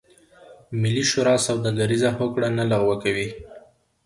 ملي شورا سوداګریزه هوکړه نه لغوه کوي.